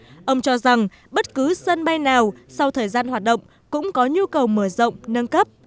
ông romane cho rằng bất cứ sân bay nào sau thời gian hoạt động cũng có nhu cầu mở rộng nâng cấp